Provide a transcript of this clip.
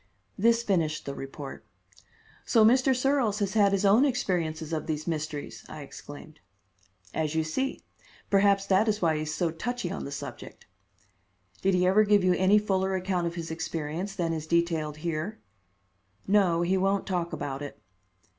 This finished the report. "So Mr. Searles has had his own experiences of these Mysteries!" I exclaimed. "As you see. Perhaps that is why he is so touchy on the subject." "Did he ever give you any fuller account of his experience than is detailed here?" "No; he won't talk about it."